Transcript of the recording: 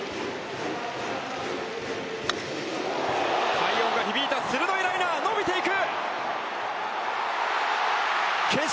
快音が響いた鋭いライナー伸びていく！